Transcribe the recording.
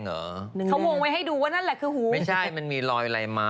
เขาวงไว้ให้ดูว่านั่นแหละคือหูไม่ใช่มันมีรอยอะไรมา